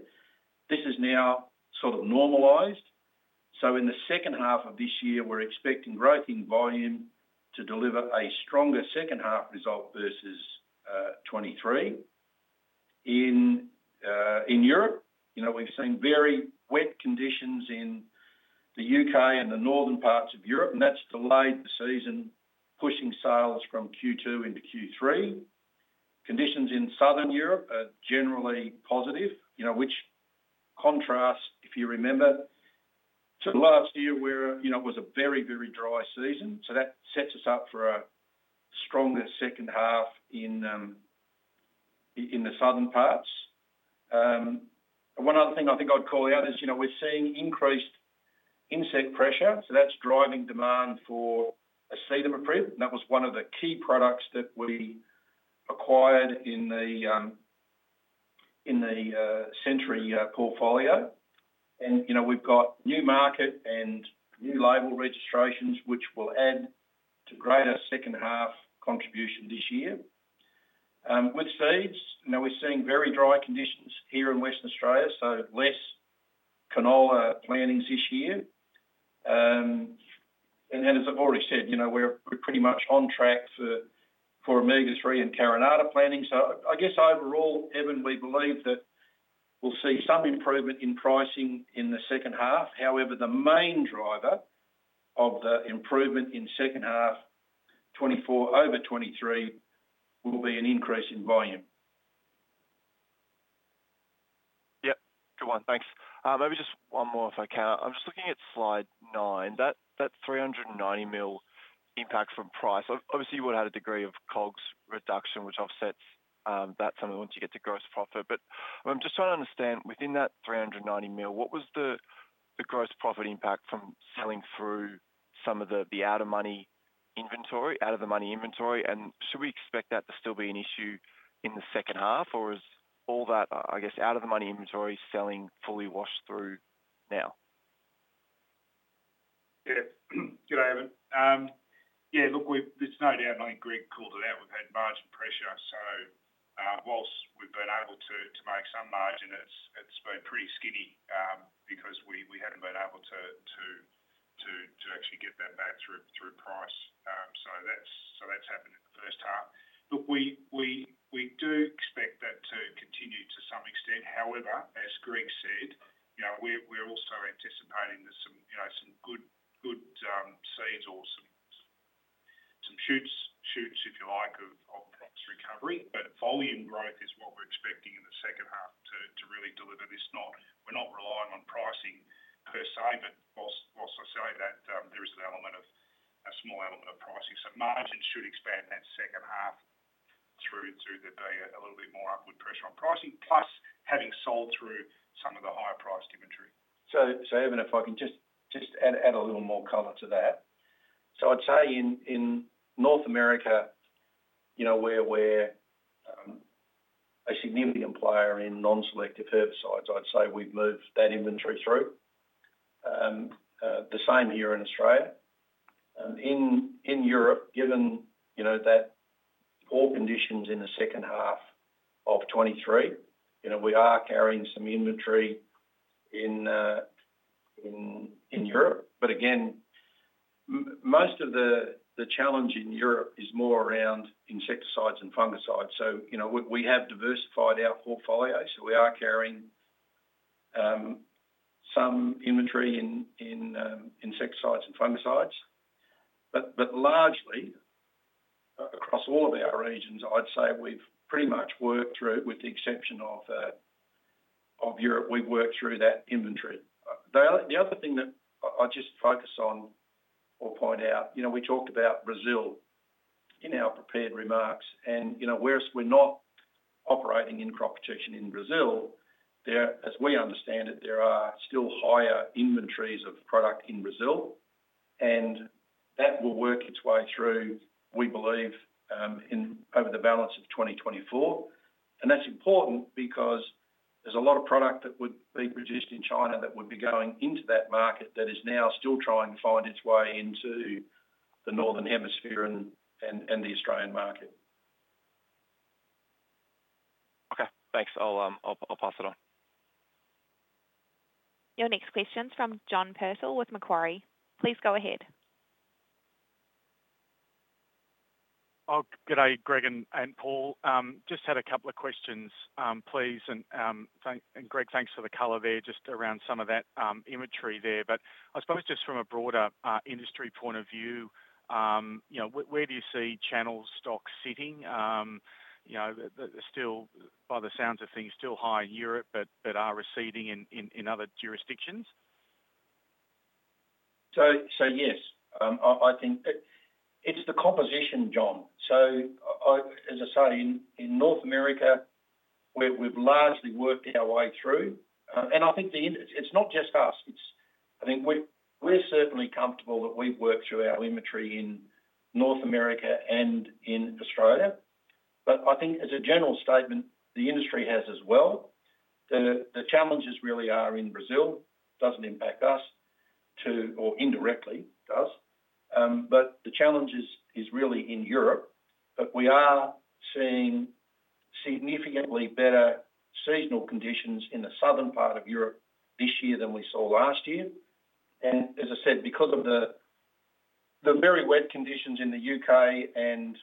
This is now sort of normalized, so in the second half of this year, we're expecting growth in volume to deliver a stronger second half result versus 2023. In Europe, you know, we've seen very wet conditions in the U.K. and the northern parts of Europe, and that's delayed the season, pushing sales from Q2 into Q3. Conditions in Southern Europe are generally positive, you know, which contrasts, if you remember, to last year, where, you know, it was a very, very dry season. So that sets us up for a stronger second half in the southern parts. And one other thing I think I'd call out is, you know, we're seeing increased insect pressure, so that's driving demand for acetamiprid, and that was one of the key products that we acquired in the Century portfolio. And, you know, we've got new market and new label registrations, which will add to greater second half contribution this year. With seeds, now we're seeing very dry conditions here in Western Australia, so less canola plantings this year. And then, as I've already said, you know, we're pretty much on track for Omega-3 and Carinata planting. I guess overall, Evan, we believe that we'll see some improvement in pricing in the second half. However, the main driver of the improvement in second half 2024 over 2023 will be an increase in volume.
Yep. Good one, thanks. Maybe just one more, if I can. I'm just looking at slide 9, that, that 390 million impact from price. Obviously, you would have had a degree of COGS reduction, which offsets that sum once you get to gross profit. But I'm just trying to understand, within that 390 million, what was the gross profit impact from selling through some of the out of money inventory? And should we expect that to still be an issue in the second half, or is all that, I guess, out of money inventory selling fully washed through now?...
Yeah. Good evening. Yeah, look, we've, there's no doubt, I think Greg called it out, we've had margin pressure. So, whilst we've been able to make some margin, it's been pretty skinny, because we haven't been able to actually get that back through price. So that's happened in the first half. Look, we do expect that to continue to some extent. However, as Greg said, you know, we're also anticipating that some, you know, some good seeds or some shoots, if you like, of price recovery. But volume growth is what we're expecting in the second half to really deliver this. Not, we're not relying on pricing per se, but whilst I say that, there is an element of, a small element of pricing. So margins should expand that second half through the day, a little bit more upward pressure on pricing, plus having sold through some of the higher priced inventory.
So, Evan, if I can just add a little more color to that. So I'd say in North America, you know, we're a significant player in non-selective herbicides. I'd say we've moved that inventory through. The same here in Australia. In Europe, given, you know, that all conditions in the second half of 2023, you know, we are carrying some inventory in Europe, but again, most of the challenge in Europe is more around insecticides and fungicides. So, you know, we have diversified our portfolio, so we are carrying some inventory in insecticides and fungicides. But largely across all of our regions, I'd say we've pretty much worked through, with the exception of Europe, we've worked through that inventory. The other thing that I'll just focus on or point out, you know, we talked about Brazil in our prepared remarks, and, you know, whereas we're not operating in Crop Protection in Brazil, there, as we understand it, there are still higher inventories of product in Brazil, and that will work its way through, we believe, in over the balance of 2024. And that's important because there's a lot of product that would be produced in China that would be going into that market, that is now still trying to find its way into the northern hemisphere and the Australian market.
Okay, thanks. I'll pass it on.
Your next question's from John Purtell with Macquarie. Please go ahead.
Oh, good day, Greg and Paul. Just had a couple of questions, please. And, Greg, thanks for the color there, just around some of that inventory there. But I suppose just from a broader industry point of view, you know, where do you see channel stock sitting? You know, still, by the sounds of things, still high in Europe, but are receding in other jurisdictions?
Yes, I think it's the composition, John. So, as I say, in North America, we've largely worked our way through, and I think it's not just us. I think we're certainly comfortable that we've worked through our inventory in North America and in Australia, but I think as a general statement, the industry has as well. The challenges really are in Brazil. It doesn't impact us too, or indirectly it does, but the challenge is really in Europe, but we are seeing significantly better seasonal conditions in the southern part of Europe this year than we saw last year. As I said, because of the very wet conditions in the UK and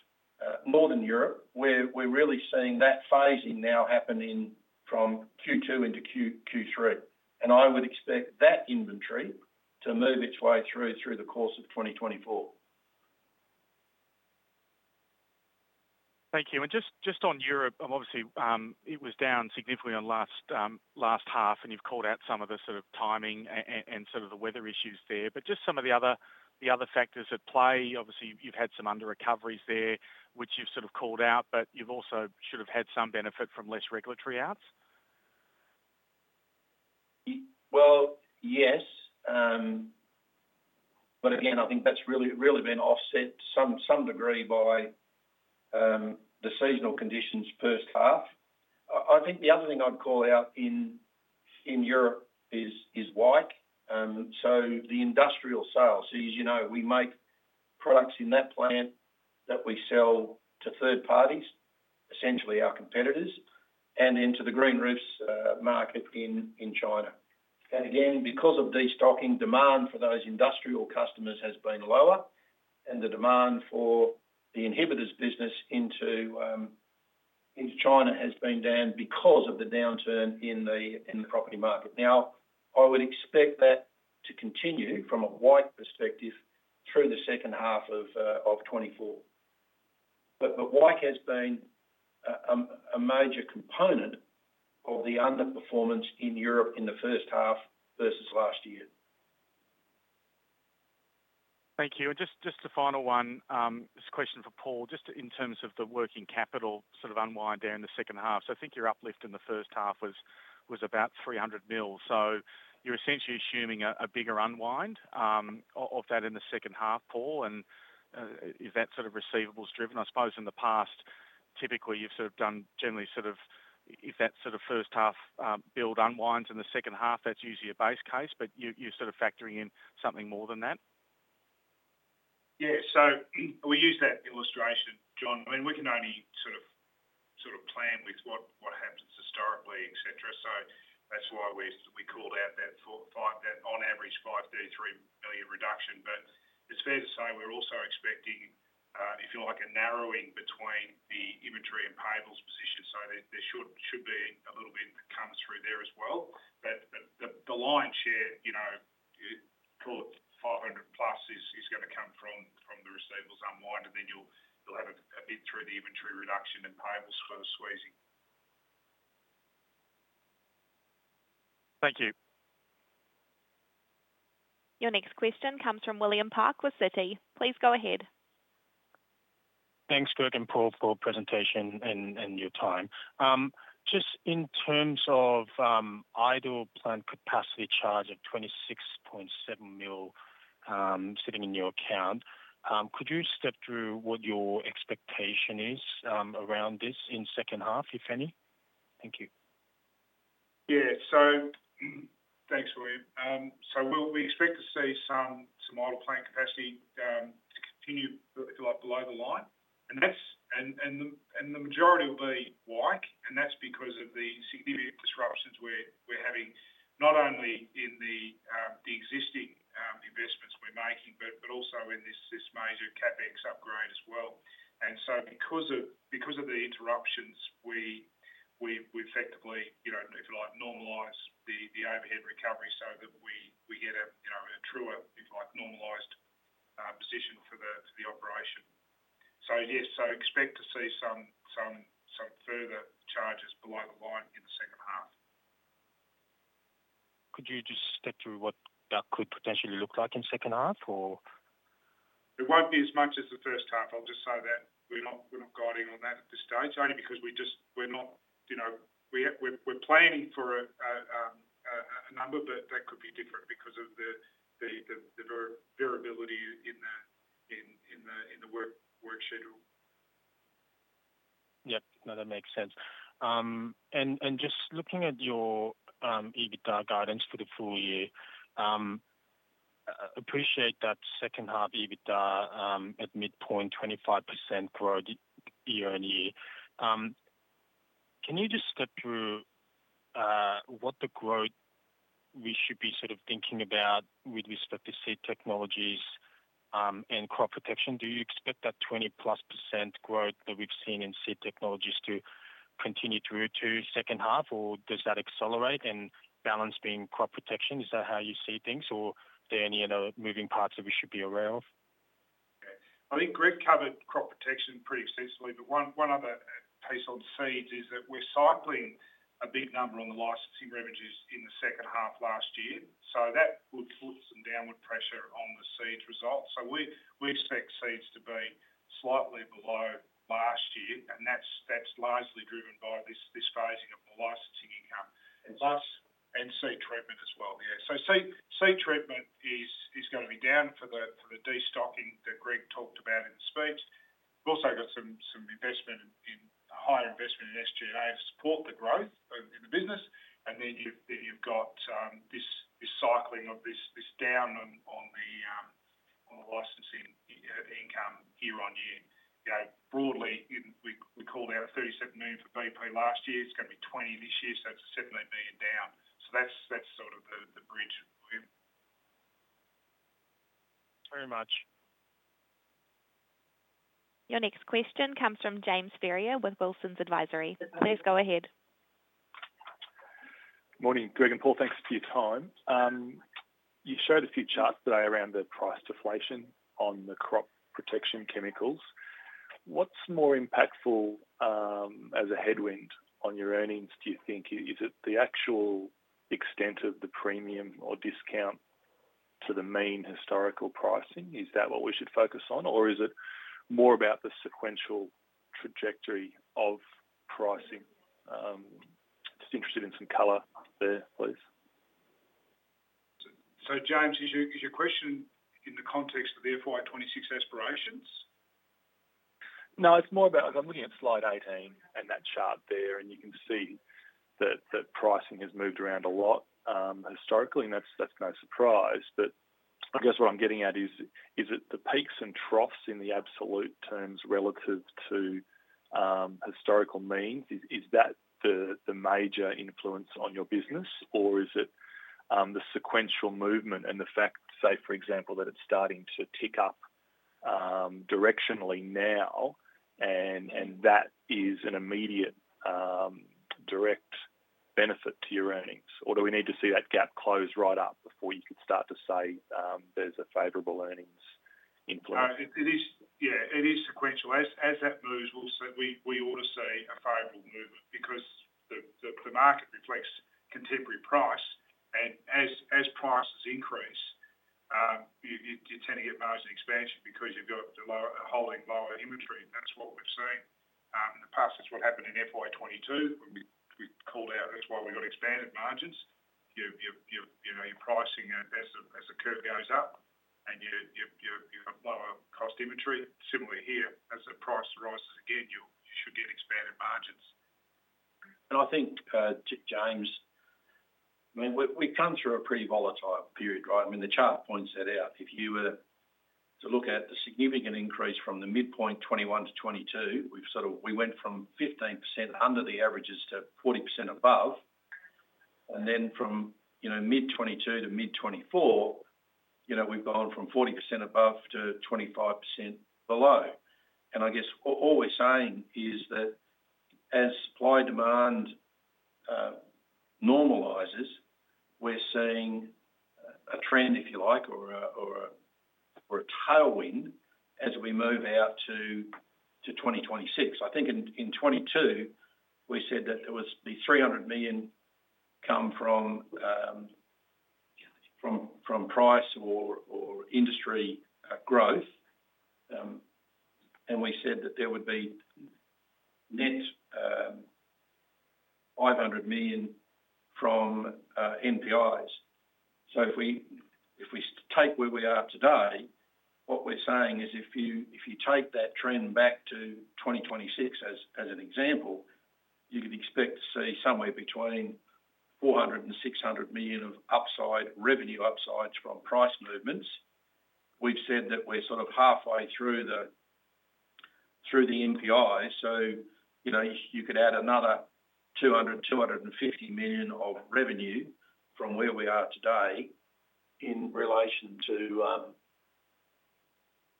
northern Europe, we're really seeing that phasing now happening from Q2 into Q3, and I would expect that inventory to move its way through the course of 2024.
Thank you. And just on Europe, obviously, it was down significantly on last half, and you've called out some of the sort of timing and sort of the weather issues there, but just some of the other factors at play. Obviously, you've had some underrecoveries there, which you've sort of called out, but you've also should have had some benefit from less regulatory outs?
Well, yes, but again, I think that's really been offset to some degree by the seasonal conditions first half. I think the other thing I'd call out in Europe is Wyke. So the industrial sales, as you know, we make products in that plant that we sell to third parties, essentially our competitors, and into the green roofs market in China. And again, because of destocking, demand for those industrial customers has been lower, and the demand for the inhibitors business into China has been down because of the downturn in the property market. Now, I would expect that to continue from a Wyke perspective through the second half of '24. But Wyke has been a major component of the underperformance in Europe in the first half versus last year.
Thank you. And just a final one, this question for Paul, just in terms of the working capital sort of unwind there in the second half. So I think your uplift in the first half was about 300 million, so you're essentially assuming a bigger unwind of that in the second half, Paul, and is that sort of receivables driven? I suppose in the past typically, you've sort of done generally, sort of, if that sort of first half build unwinds in the second half, that's usually a base case, but you're sort of factoring in something more than that?
Yeah, so, we use that illustration, John. I mean, we can only sort of plan with what happens historically, et cetera. So that's why we called out that 4-5, that on average, 533 million reduction. But it's fair to say we're also expecting, if you like, a narrowing between the inventory and payables position. So there should be a little bit that comes through there as well. But the lion's share, you know, call it 500+ million is gonna come from the receivables unwind, and then you'll have a bit through the inventory reduction and payables sort of squeezing.
Thank you.
Your next question comes from William Park with Citi. Please go ahead.
Thanks, Greg and Paul, for presentation and your time. Just in terms of idle plant capacity charge of 26.7 million sitting in your account, could you step through what your expectation is around this in second half, if any? Thank you.
Yeah. So, thanks, William. So we'll expect to see some idle plant capacity to continue, if you like, below the line. And that's the majority will be Wyke, and that's because of the significant disruptions we're having, not only in the existing investments we're making, but also in this major CapEx upgrade as well. And so because of the interruptions, we've effectively, you know, if you like, normalized the overhead recovery so that we get a, you know, a truer, if you like, normalized position for the operation. So yes, expect to see some further charges below the line in the second half.
Could you just step through what that could potentially look like in second half or?
It won't be as much as the first half, I'll just say that. We're not guiding on that at this stage, only because, you know, we're planning for a number, but that could be different because of the variability in the work schedule.
Yep, no, that makes sense. And, and just looking at your EBITDA guidance for the full year, appreciate that second half EBITDA, at midpoint, 25% growth year-on-year. Can you just step through, what the growth we should be sort of thinking about with respect to Seed Technologies, and Crop Protection? Do you expect that 20+% growth that we've seen in Seed Technologies to continue through to second half, or does that accelerate and balance being Crop Protection? Is that how you see things, or are there any other moving parts that we should be aware of?
I think Greg covered Crop Protection pretty extensively, but one other piece on seeds is that we're cycling a big number on the licensing revenues in the second half last year, so that would put some downward pressure on the seeds results. So we expect seeds to be slightly below last year, and that's largely driven by this phasing of the licensing income, plus seed treatment as well. Yeah, so seed treatment is gonna be down for the destocking that Greg talked about in the speech. We've also got some higher investment in SG&A to support the growth in the business. And then you've got this cycling of this down on the licensing income year-on-year. You know, broadly, we called out 37 million for BP last year. It's gonna be 20 million this year, so that's 17 million down. So that's sort of the bridge, William.
Thank you very much.
Your next question comes from James Ferrier with Wilsons Advisory. Please go ahead.
Morning, Greg and Paul, thanks for your time. You showed a few charts today around the price deflation on the Crop Protection chemicals. What's more impactful, as a headwind on your earnings, do you think? Is it the actual extent of the premium or discount to the mean historical pricing? Is that what we should focus on, or is it more about the sequential trajectory of pricing? Just interested in some color there, please.
So, James, is your question in the context of the FY26 aspirations?
No, it's more about... I'm looking at slide 18 and that chart there, and you can see that pricing has moved around a lot, historically, and that's no surprise. But I guess what I'm getting at is, is it the peaks and troughs in the absolute terms relative to historical means? Is that the major influence on your business? Or is it the sequential movement and the fact, say, for example, that it's starting to tick up directionally now, and that is an immediate direct benefit to your earnings? Or do we need to see that gap close right up before you could start to say there's a favorable earnings influence?
No, it is, yeah, it is sequential. As that moves, we'll see we ought to see a favorable movement because the market reflects contemporary price, and as prices increase, you tend to get margin expansion because you've got holding lower inventory. That's what we've seen in the past. That's what happened in FY22, when we called out. That's why we got expanded margins. You know, your pricing as the curve goes up you have lower cost inventory. Similarly here, as the price rises again, you should get expanded margins.
I think, James, I mean, we've come through a pretty volatile period, right? I mean, the chart points that out. If you were to look at the significant increase from the midpoint 2021 to 2022, we've sort of we went from 15% under the averages to 40% above, and then from, you know, mid-2022 to mid-2024, you know, we've gone from 40% above to 25% below. I guess, all we're saying is that as supply-demand normalizes, we're seeing a trend, if you like, or a tailwind as we move out to 2026. I think in 2022, we said that there was the 300 million come from from price or industry growth. And we said that there would be net AUD 500 million from NPIs. So if we take where we are today, what we're saying is if you take that trend back to 2026, as an example, you can expect to see somewhere between 400 million and 600 million of upside, revenue upsides from price movements. We've said that we're sort of halfway through the NPI, so you know, you could add another 200 million-250 million of revenue from where we are today in relation to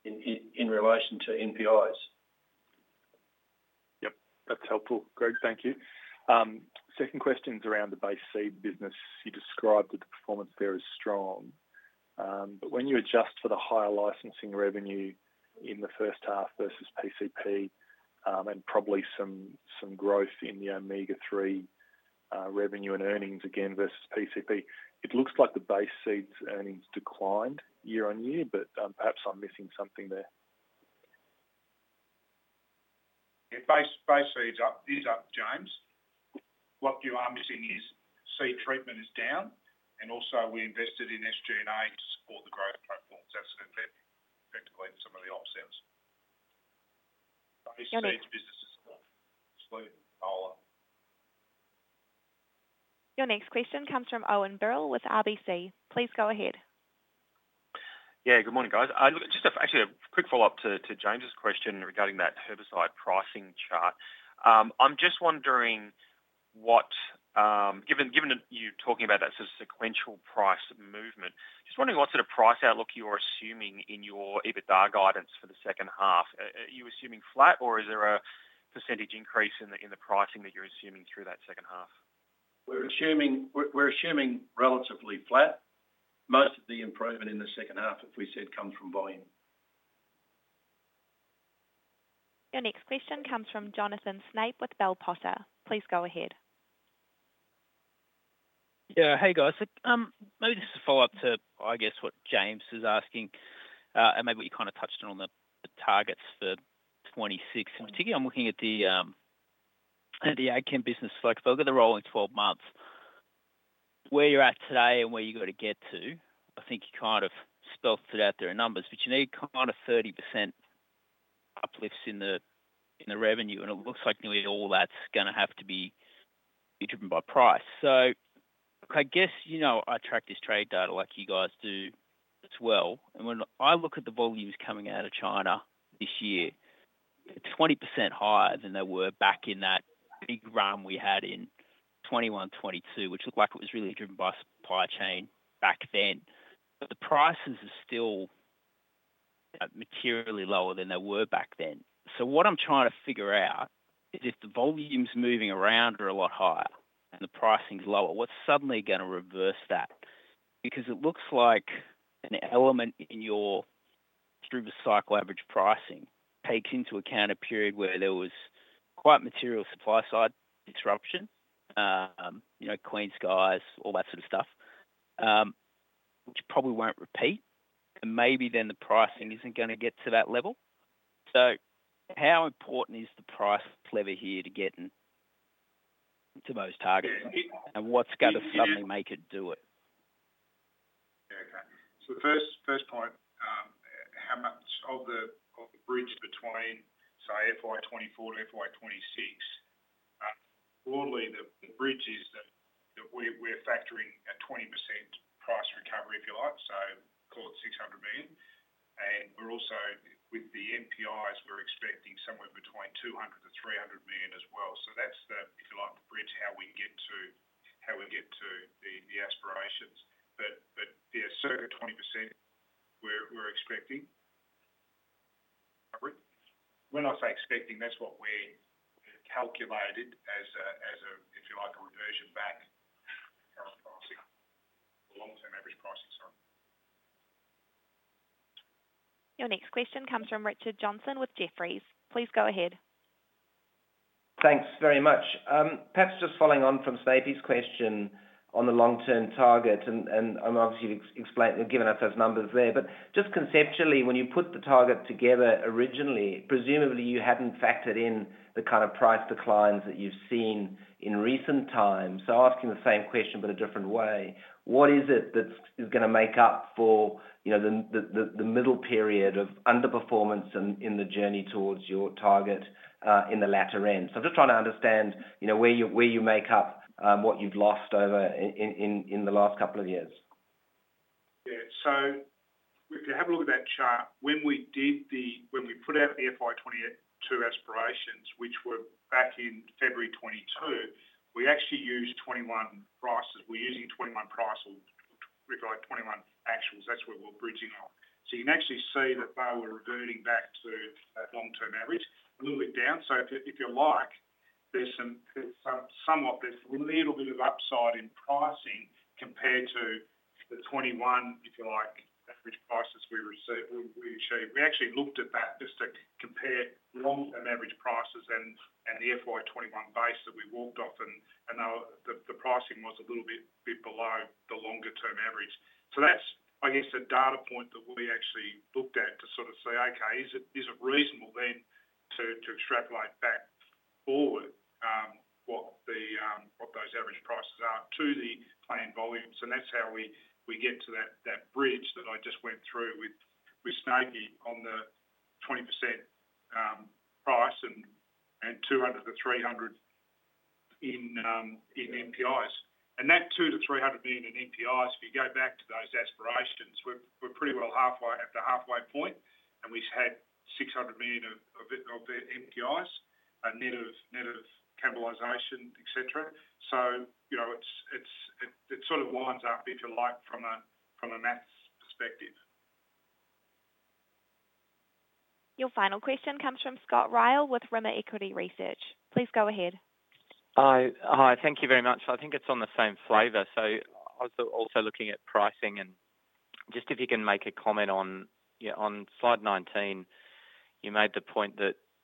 NPIs.
Yep, that's helpful, Greg, thank you. Second question's around the Base Seeds business. You described that the performance there is strong, but when you adjust for the higher licensing revenue in the first half versus PCP, and probably some growth in the Omega-3, revenue and earnings again versus PCP, it looks like the Base Seeds earnings declined year-on-year, but, perhaps I'm missing something there.
Yeah, Base Seeds are up, James. What you are missing is seed treatment is down, and also we invested in SG&A to support the growth platforms. That's effectively some of the offsets.
Your next-
Base Seeds business is still slightly lower.
Your next question comes from Owen Birrell with RBC. Please go ahead.
Yeah, good morning, guys. Look, just actually a quick follow-up to James's question regarding that herbicide pricing chart. I'm just wondering what, given that you're talking about that sequential price movement, just wondering what sort of price outlook you're assuming in your EBITDA guidance for the second half. Are you assuming flat, or is there a percentage increase in the pricing that you're assuming through that second half?
We're assuming relatively flat. Most of the improvement in the second half, as we said, comes from volume.
Your next question comes from Jonathan Snape with Bell Potter. Please go ahead.
Yeah. Hey, guys. Maybe just to follow up to, I guess, what James was asking, and maybe what you kind of touched on, on the, the targets for 2026. In particular, I'm looking at the, at the Ag Chem business. So if I look at the rolling 12 months, where you're at today and where you got to get to, I think you kind of spelled it out there in numbers, but you need kind of 30% uplifts in the, in the revenue, and it looks like nearly all that's gonna have to be, be driven by price. So I guess, you know, I track this trade data like you guys do as well, and when I look at the volumes coming out of China this year, they're 20% higher than they were back in that big run we had in 2021, 2022, which looked like it was really driven by supply chain back then. But the prices are still materially lower than they were back then. So what I'm trying to figure out is, if the volumes moving around are a lot higher and the pricing is lower, what's suddenly gonna reverse that? Because it looks like an element in your through-the-cycle average pricing takes into account a period where there was quite material supply side disruption, you know, clean skies, all that sort of stuff, which probably won't repeat, and maybe then the pricing isn't gonna get to that level. How important is the price lever here to getting to those targets?
Yeah.
What's gonna suddenly make it do it?
Yeah, okay. So the first, first point, how much of the, of the bridge between, say, FY 2024 to FY 2026? Broadly, the, the bridge is that, that we're, we're factoring a 20% price recovery, if you like, so call it 600 million. And we're also, with the NPIs, we're expecting somewhere between 200 million-300 million as well. So that's the, if you like, the bridge, how we get to, how we get to the, the aspirations. But, but yeah, circa 20%, we're, we're expecting. When I say expecting, that's what we calculated as a, as a, if you like, a reversion back to current pricing, long-term average pricing, sorry.
Your next question comes from Richard Johnson with Jefferies. Please go ahead.
Thanks very much. Perhaps just following on from Snape's question on the long-term target, and, obviously, you've explained, you've given us those numbers there. But just conceptually, when you put the target together originally, presumably you hadn't factored in the kind of price declines that you've seen in recent times. So asking the same question but a different way: What is it that's gonna make up for, you know, the middle period of underperformance in the journey towards your target, in the latter end? So I'm just trying to understand, you know, where you, where you make up what you've lost over in the last couple of years.
So if you have a look at that chart, when we did the, when we put out the FY 2022 aspirations, which were back in February 2022, we actually used 2021 prices. We're using 2021 prices, if you like, 2021 actuals. That's where we're bridging on. So you can actually see that they were reverting back to that long-term average, a little bit down. So if you, if you like, there's some, some, somewhat there's a little bit of upside in pricing compared to the 2021, if you like, average prices we received, we, we achieved. We actually looked at that just to compare long-term average prices and, and the FY 2021 base that we walked off, and, and now the, the pricing was a little bit, bit below the longer term average. So that's, I guess, the data point that we actually looked at to sort of say, "Okay, is it, is it reasonable then, to, to extrapolate back forward, what the, what those average prices are to the planned volumes?" And that's how we, we get to that, that bridge that I just went through with, with Snape on the 20%, price and, and 200-300 in, in NPIs. And that 200-300 million in NPIs, if you go back to those aspirations, we're, we're pretty well halfway at the halfway point, and we've had 600 million of, of NPIs, net of, net of cannibalization, et cetera. So, you know, it's, it's, it, it sort of lines up, if you like, from a, from a math perspective.
Your final question comes from Scott Ryall with Rimor Equity Research. Please go ahead.
Hi. Hi, thank you very much. I think it's on the same flavor, so I was also looking at pricing and just if you can make a comment on, yeah, on slide 19, you made the point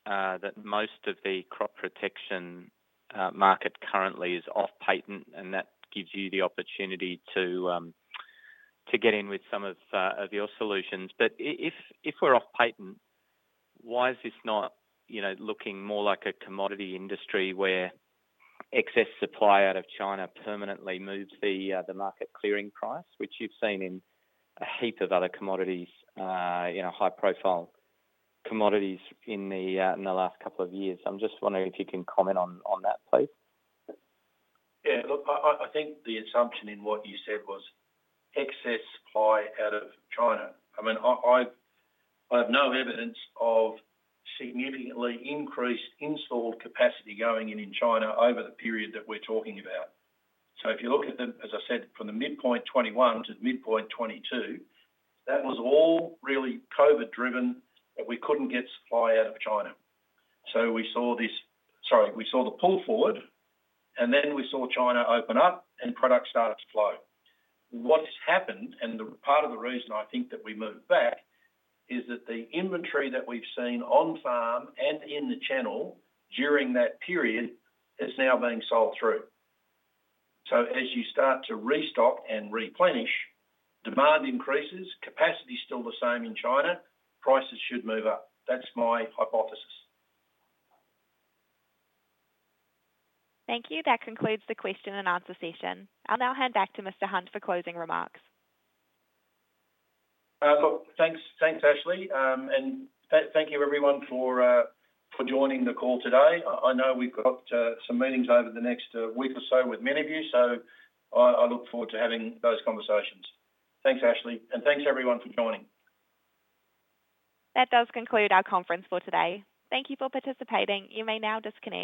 that most of the Crop Protection market currently is off patent, and that gives you the opportunity to get in with some of your solutions. But if, if we're off patent, why is this not, you know, looking more like a commodity industry, where excess supply out of China permanently moves the market clearing price, which you've seen in a heap of other commodities, you know, high-profile commodities in the last couple of years? I'm just wondering if you can comment on that, please.
Yeah, look, I think the assumption in what you said was excess supply out of China. I mean, I have no evidence of significantly increased installed capacity going in China over the period that we're talking about. So if you look at the, as I said, from the mid-point 2021 to the mid-point 2022, that was all really COVID driven, that we couldn't get supply out of China. So we saw this... Sorry, we saw the pull forward, and then we saw China open up, and product started to flow. What has happened, and the part of the reason I think that we moved back, is that the inventory that we've seen on farm and in the channel during that period is now being sold through. As you start to restock and replenish, demand increases, capacity is still the same in China, prices should move up. That's my hypothesis.
Thank you. That concludes the question and answer session. I'll now hand back to Mr. Hunt for closing remarks.
Look, thanks, thanks, Ashley, and thank you everyone for joining the call today. I know we've got some meetings over the next week or so with many of you, so I look forward to having those conversations. Thanks, Ashley, and thanks everyone for joining.
That does conclude our conference for today. Thank you for participating. You may now disconnect.